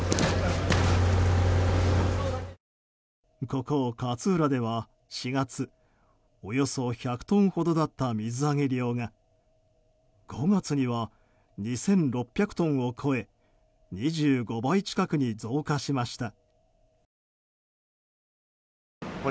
ここ勝浦では、４月およそ１００トンほどだった水揚げ量が５月には２６００トンを超え２５倍近くに増加しました。